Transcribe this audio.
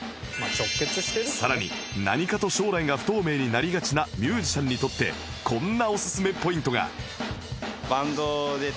さらに何かと将来が不透明になりがちなミュージシャンにとってこんなおすすめポイントが